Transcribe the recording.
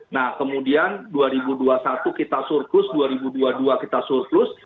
nah kemudian dua ribu dua puluh satu kita surplus dua ribu dua puluh dua kita surplus